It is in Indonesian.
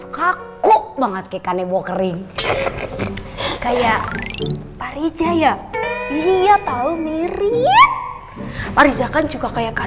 kamu mandi mas nanti aku siapin bajunya